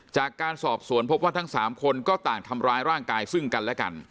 จากการสอบสวนพบว่าทั้ง๓คนก็ต่างทำร้ายร่างกายซึ่งกันและกัน